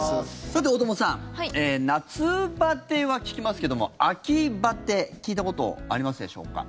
さて、大友さん夏バテは聞きますけども秋バテ聞いたことありますでしょうか？